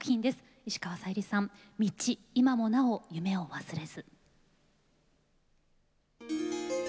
石川さゆりさん「みち今もなお夢を忘れず」。